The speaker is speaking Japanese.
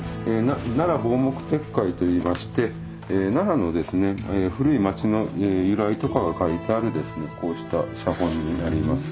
「奈良坊目拙解」といいまして奈良の古い町の由来とかが書いてあるこうした写本になります。